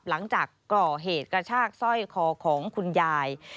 หลังจากก่อเหตุกระชากสร้อยคอของคุณยาย